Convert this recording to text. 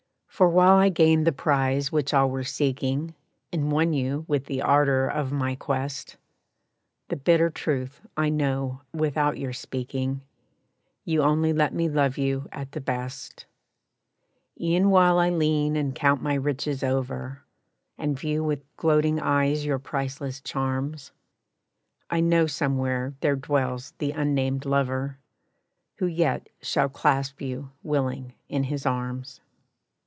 For while I gained the prize which all were seeking, And won you with the ardor of my quest, The bitter truth I know without your speaking You only let me love you at the best. E'en while I lean and count my riches over, And view with gloating eyes your priceless charms, I know somewhere there dwells the unnamed lover Who yet shall clasp you, willing, in his arms.